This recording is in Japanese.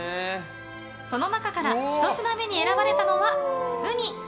その中から、ひと品目に選ばれたのは、ウニ。